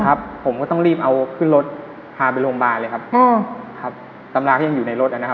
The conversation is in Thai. ครับผมก็ต้องรีบเอาขึ้นรถพาไปโรงพยาบาลเลยครับอ๋อครับตำราก็ยังอยู่ในรถนะครับ